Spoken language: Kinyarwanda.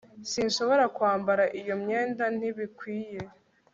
Sinshobora kwambara iyo myenda Ntibikwiye